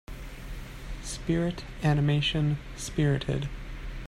Spirit animation Spirited.